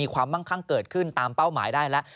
มั่งคั่งเกิดขึ้นตามเป้าหมายได้แล้ว